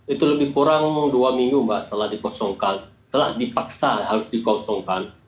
itu lebih kurang dua minggu mbak setelah dikosongkan setelah dipaksa harus dikosongkan